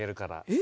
え？